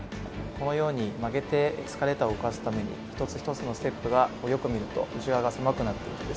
このように曲げてエスカレーターを動かすために一つ一つのステップがよく見ると内側が狭くなっていてですね